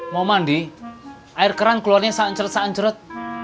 mau mandi air keran keluarnya sa'n cerut sa'n cerut